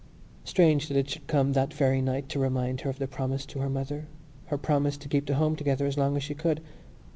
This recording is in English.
Strange that it should come that very night to remind her of the promise to her mother, her promise to keep the home together as long as she could.